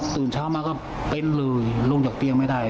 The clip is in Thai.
เช้ามาก็เป็นเลยลงจากเตียงไม่ได้